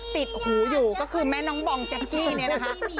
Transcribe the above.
ติดหูอยู่ก็คือแม่น้องบองแจ๊กกี้เนี่ยนะคะ